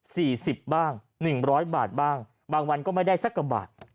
๔๐บาทบ้าง๑๐๐บาทบ้างบางวันก็ไม่ได้สักกว่าบาท